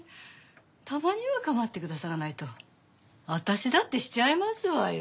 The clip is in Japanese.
たまにはかまってくださらないと私だってしちゃいますわよ？